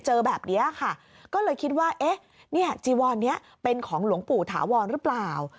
เจอแบบนี้ค่ะก็เลยคิดว่าเอ๊ะเนี่ยจีวอนนี้เป็นของหลวงปู่ถาวรหรือเปล่า